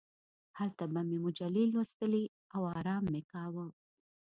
هلته به مې مجلې لوستلې او ارام مې کاوه.